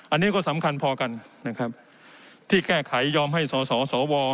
อันนี้ก็สำคัญพอกันนะครับที่แก้ไขยอมให้สสว